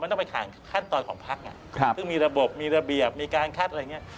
ต้องไปผ่านขั้นตอนของพักซึ่งมีระบบมีระเบียบมีการคัดอะไรอย่างนี้